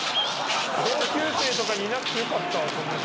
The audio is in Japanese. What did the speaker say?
同級生とかにいなくてよかったこんな人。